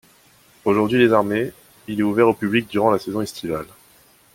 Aujourd'hui désarmé, il est ouvert au public durant la saison estivale.